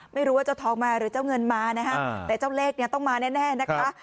ไม่รู้ว่าเจ้าทองมาหรือเจ้าเงินมานะฮะแต่เจ้าเลขเนี่ยต้องมาแน่นะคะ